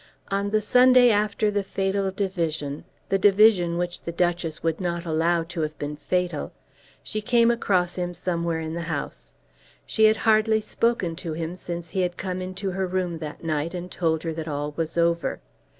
On the Sunday after the fatal division, the division which the Duchess would not allow to have been fatal, she came across him somewhere in the house. She had hardly spoken to him since he had come into her room that night and told her that all was over.